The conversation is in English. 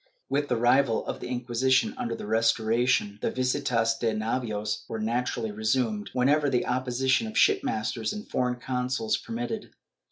^ With the revival of the Inquisition under the Restoration, the visitas de navios were naturally resumed, whenever the oppo sition of shipmasters and foreign consuls permitted.